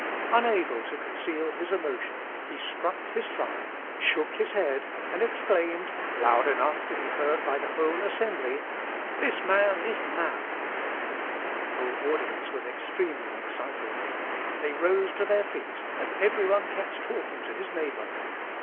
Unable to conceal his emotion, he struck his thigh, shook his head, and exclaimed, loud enough to be heard by the whole assembly, "The man is mad!" The whole audience was extremely excited. They rose to their feet, and every one kept talking to his neighbour.